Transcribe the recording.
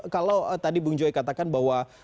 kalau tadi bung joy katakan bahwa